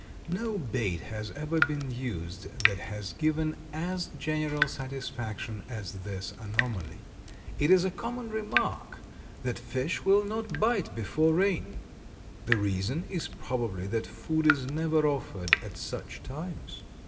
No bait has ever been used that has given as general satisfaction as this anomaly. It is a common remark that fish will not bite before rain. The reason is probably that food is never offered at such times.